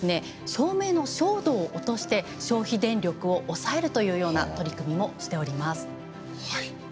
照明の照度を落として消費電力を抑えるというような取り組みもしております。